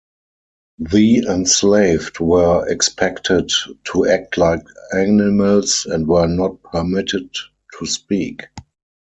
The enslaved were expected to act like animals and were not permitted to speak.